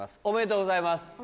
おめでとうございます。